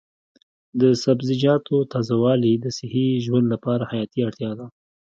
د سبزیجاتو تازه والي د صحي ژوند لپاره حیاتي اړتیا ده.